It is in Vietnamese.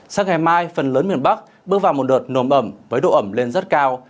sáng ngày mai phần lớn miền bắc bước vào một đợt nồm ẩm với độ ẩm lên rất cao